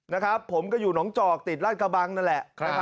นะครับผมก็อยู่หนองจอกติดราชกระบังนั่นแหละ